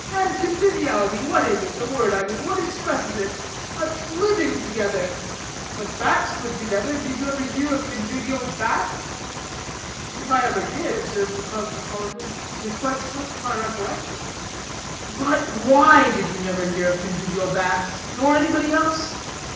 And conviviality, what is it? The word, I mean; what expresses it? A living together. But bats live together, and did you ever hear of convivial bats?" "If I ever did," observed the cosmopolitan, "it has quite slipped my recollection." "But why did you never hear of convivial bats, nor anybody else?